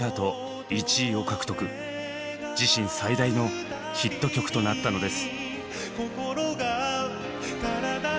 自身最大のヒット曲となったのです。